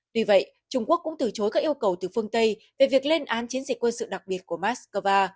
tuy vậy trung quốc cũng từ chối các yêu cầu từ phương tây về việc lên án chiến dịch quân sự đặc biệt của moscow